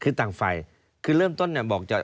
คือต่างฝ่ายคือเริ่มต้นเนี่ยบอกจะ